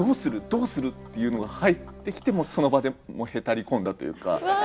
どうする？」っていうのが入ってきてその場でへたり込んだというか。